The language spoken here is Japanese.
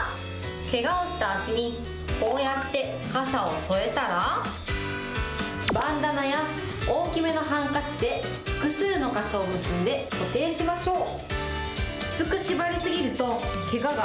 けがをした足にこうやって傘を添えたら、バンダナや大き目のハンカチで複数の箇所を結んで固定しましょう。